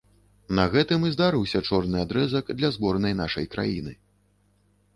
На гэтым і здарыўся чорны адрэзак для зборнай нашай краіны.